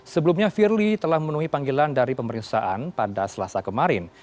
sebelumnya firly telah menuhi panggilan dari pemeriksaan pada selasa kemarin